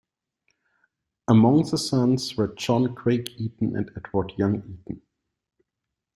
Among the sons were John Craig Eaton and Edward Young Eaton.